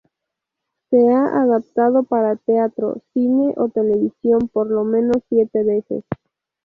Se ha adaptado para teatro, cine o televisión por lo menos siete veces.